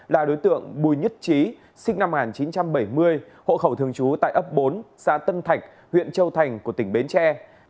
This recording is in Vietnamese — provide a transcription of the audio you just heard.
là đối tượng bùi nhất trí sinh năm một nghìn chín trăm bảy mươi hộ khẩu thường trú tại ấp bốn xã tân thạch huyện châu thành của tỉnh bến tre